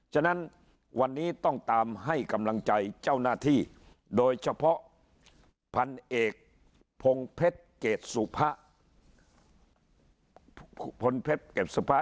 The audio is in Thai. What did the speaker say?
ฉะนั้นวันนี้ต้องตามให้กำลังใจเจ้าหน้าที่โดยเฉพาะพันธุ์เอกพงเพศเกดสุภะ